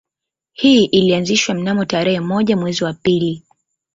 Hii ilianzishwa mnamo tarehe moja mwezi wa pili